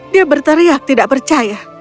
dia berteriak tidak percaya